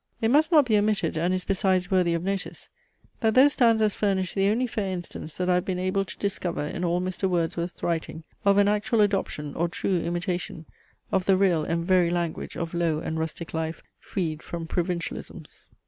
It must not be omitted, and is besides worthy of notice, that those stanzas furnish the only fair instance that I have been able to discover in all Mr. Wordsworth's writings, of an actual adoption, or true imitation, of the real and very language of low and rustic life, freed from provincialisms.